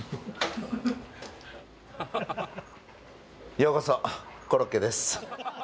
ようこそコロッケです。